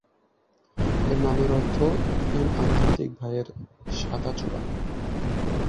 এর নামের অর্থ "তিন আধ্যাত্মিক ভাইয়ের সাদা চূড়া"।